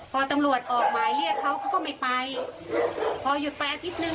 พอตำรวจออกหมายเรียกเขาเขาก็ไม่ไปพอหยุดไปอาทิตย์หนึ่ง